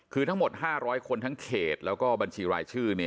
คือทั้งหมด๕๐๐คนทั้งเขตแล้วก็บัญชีรายชื่อ